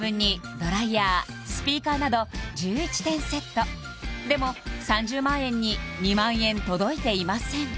ドライヤースピーカーなど１１点セットでも３０万円に２万円届いていません